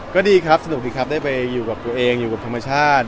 ก็ดีครับสนุกดีครับได้ไปอยู่กับตัวเองอยู่กับธรรมชาติ